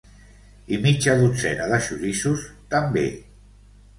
I mitja dotzena de xoriços també